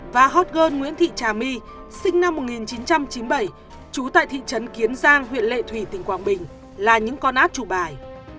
và hot girl nguyễn thị trà my sinh năm một nghìn chín trăm chín mươi bảy trú tại thị trấn kiến giang huyện lệ thủy tỉnh quảng bình là những con ác chủ bài